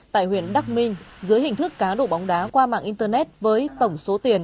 tại huyện đắk minh dưới hình thức cá đổ bóng đá qua mạng internet với tổng số tiền